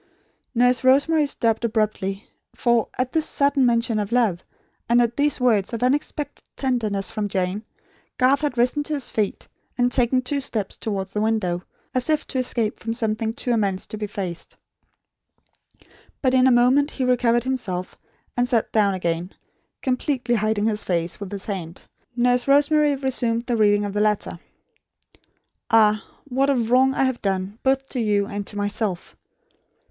Nurse Rosemary stopped abruptly; for, at this sudden mention of love, and at these words of unexpected tenderness from Jane, Garth had risen to his feet, and taken two steps towards the window; as if to escape from something too immense to be faced. But, in a moment he recovered himself, and sat down again, completely hiding his face with his hand. Nurse Rosemary resumed the reading of the letter. "Ah, what a wrong I have done, both to you, and to myself!